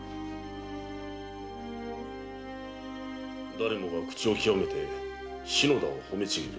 誰もが口を極めて篠田を褒めちぎる。